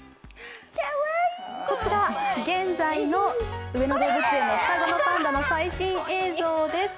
こちら、現在の上野動物園の双子のパンダの最新映像です。